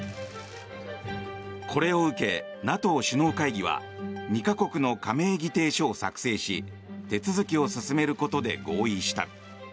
これを受け、ＮＡＴＯ首脳会議は２か国の加盟議定書を作成し手続きを進めることで合意した。